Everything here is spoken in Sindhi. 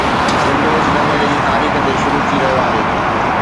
ونڊوز هن مهيني جي تاريخ تي شروع ٿي رهيو آهي